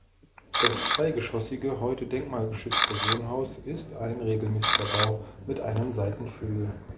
Das zweigeschossige, heute denkmalgeschützte Wohnhaus ist ein regelmäßiger Bau mit einem Seitenflügel.